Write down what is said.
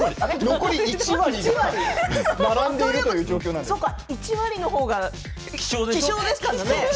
残り１割１割のほうが希少ですからね。